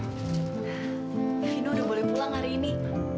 vino udah boleh pulang hari ini